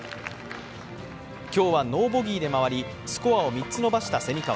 今日はノーボギーで回りスコアを３つ伸ばした蝉川。